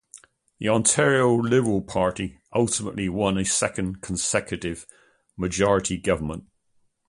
The Ontario Liberal Party ultimately won a second consecutive majority government.